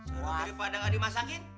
daripada gak dimasakin